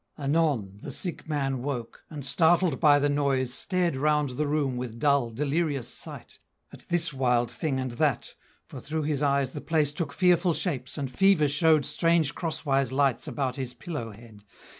Anon The sick man woke, and, startled by the noise, Stared round the room with dull, delirious sight, At this wild thing and that: for through his eyes The place took fearful shapes, and fever showed Strange crosswise lights about his pillow head.